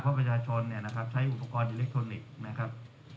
เพราะประชาชนเนี่ยนะครับใช้อุปกรณ์อิเล็กทรอนิกส์นะครับ